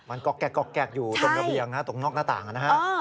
มันก็แก๊กอยู่ตรงกระเบียงนะตรงนอกหน้าต่างน่ะ